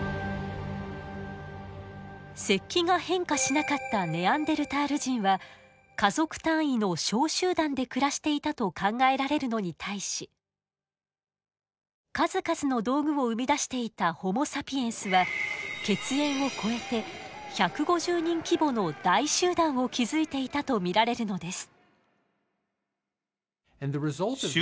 石器が変化しなかったネアンデルタール人は家族単位の小集団で暮らしていたと考えられるのに対し数々の道具を生み出していたホモ・サピエンスは血縁を超えて１５０人規模の大集団を築いていたと見られるのです。